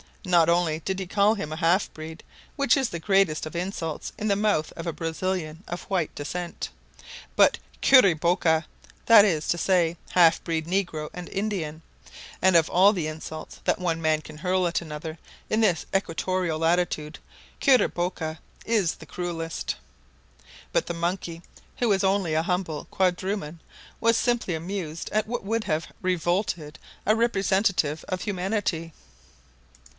Not only did he call him a half breed, which is the greatest of insults in the mouth of a Brazilian of white descent, but "curiboca" that is to say, half breed negro and Indian, and of all the insults that one man can hurl at another in this equatorial latitude "curiboca" is the cruelest. But the monkey, who was only a humble quadruman, was simply amused at what would have revolted a representative of humanity.